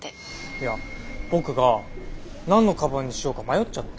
いや僕が何のかばんにしようか迷っちゃって。